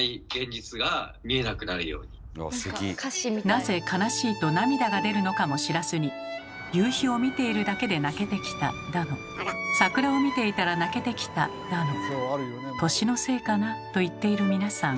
なぜ悲しいと涙が出るのかも知らずに「夕日を見ているだけで泣けてきた」だの「桜を見ていたら泣けてきた」だの「年のせいかな？」と言っている皆さん。